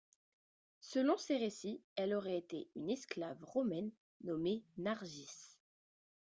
Selon ses récits elle aurait été une esclave romaine nommée Narjis.